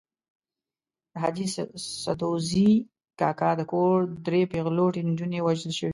د حاجي سدوزي کاکا د کور درې پېغلوټې نجونې وژل شوې.